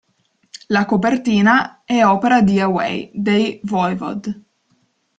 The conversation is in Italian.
La copertina è opera di Away, dei Voivod.